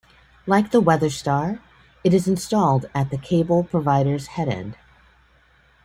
Like the WeatherStar, it is installed at the cable provider's headend.